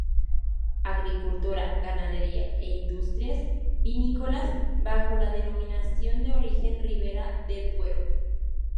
Agricultura, ganadería e industrias vinícolas bajo la Denominación de Origen Ribera del Duero.